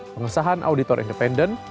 pengesahan auditor independen